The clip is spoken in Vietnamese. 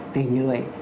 thì như vậy